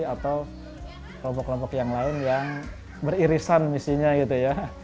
atau kelompok kelompok yang lain yang beririsan misinya gitu ya